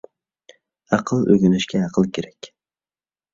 ئەقىل ئۆگىنىشكە ئەقىل كېرەك.